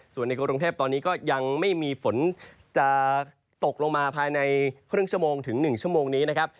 ส่วนในกรุงเทพตอนนี้ก็ยังไม่มีฝนจะตกลงมาภายในครึ่งชั่วโมงถึง๑ชั่วโมงนี้นะครับ